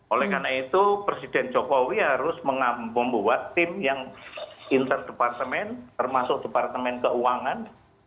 oleh karena itu presiden jokowi harus membuat tim yang interdepartemen termasuk departemen keuangan